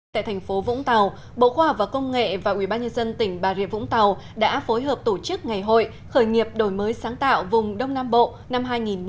tại thành phố vũng tàu bộ khoa học và công nghệ và ubnd tỉnh bà rịa vũng tàu đã phối hợp tổ chức ngày hội khởi nghiệp đổi mới sáng tạo vùng đông nam bộ năm hai nghìn một mươi chín